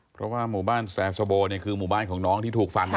เพราะว่าหมู่บ้านแซโซโบคือหมู่บ้านของน้องที่ถูกฟัน